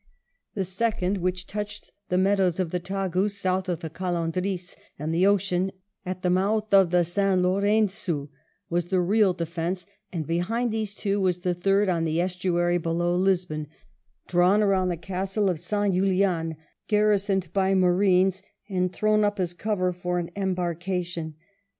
The second, which touched the meadows of the Tagus south of the Calandrix and the ocean at the mquth of the St. Lour en9a, was the real defence ; and behind these two was a third on the estuary below Lisbon, drawn around the castle of St Julian, garrisoned by Marines, and thrown up as cover for an embarkation.